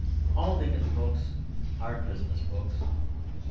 All Dickens's books are Christmas books.